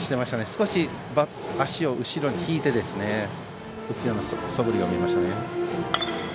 少し足を後ろに引いて打つようなそぶりが見えました。